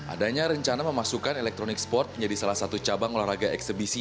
adanya rencana memasukkan elektronik sport menjadi salah satu cabang olahraga eksebisi